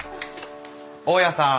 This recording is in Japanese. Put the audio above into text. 大家さん